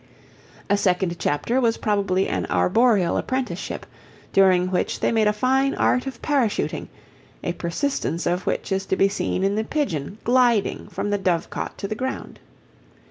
A second chapter was probably an arboreal apprenticeship, during which they made a fine art of parachuting a persistence of which is to be seen in the pigeon "gliding" from the dovecot to the ground.